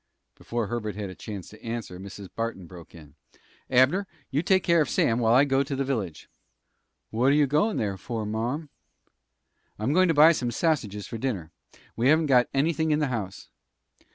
Before Herbert had a chance to answer Mrs. Barton broke in: "Abner, you take care of Sam while I go to the village." "What are you goin' there for, marm?" "I'm going to buy some sausages for dinner. We haven't got anything in the house."